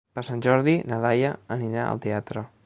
Per Sant Jordi na Laia anirà al teatre.